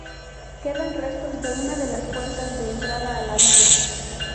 Quedan restos de una de las puertas de entrada a la villa.